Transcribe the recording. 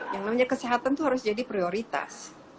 yang namanya kesehatan itu harus jadi prioritas